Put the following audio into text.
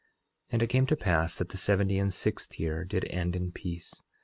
11:21 And it came to pass that the seventy and sixth year did end in peace.